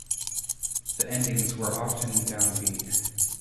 The endings were often downbeat.